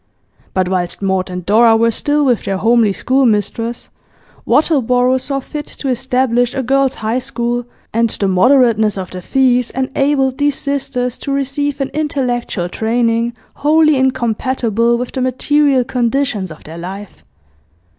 But whilst Maud and Dora were still with their homely schoolmistress, Wattleborough saw fit to establish a Girls' High School, and the moderateness of the fees enabled these sisters to receive an intellectual training wholly incompatible with the material conditions of their life.